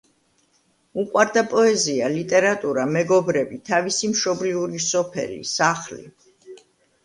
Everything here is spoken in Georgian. უყვარდა პოეზია, ლიტერატურა, მეგობრები, თავისი მშობლიური სოფელი, სახლი.